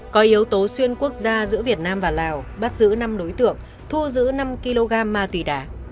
có yếu tố xuyên quốc gia giữa việt nam và lào bắt giữ năm đối tượng thu giữ năm kg ma túy đá